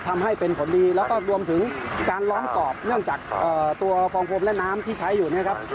ทำให้เป็นผลดีแล้วก็รวมถึงการล้อมกรอบเนื่องจากตัวฟองโพรมและน้ำที่ใช้อยู่นะครับ